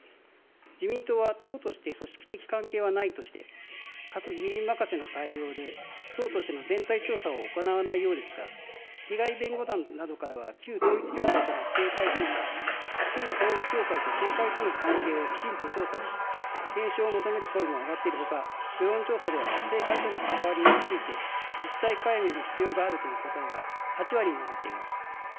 自民党は党として組織的関係はないとして各議員任せの対応で党としての全体調査を行わないようですが被害弁護団などからは旧統一教会と政界との関係をきちんと調査し検証を求める声も上がっている他世論調査では政界との関わりについて実態解明の必要があるとの答えが８割に上っています。